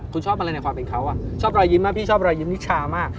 คุณชอบอะไรในความเป็นเขาชอบรอยยิ้มมากพี่ชอบรอยยิ้มนิชามาก